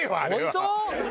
本当？